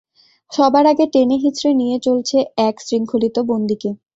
সবার আগে টেনে হিচড়ে নিয়ে চলছে এক শৃঙ্খলিত বন্দীকে।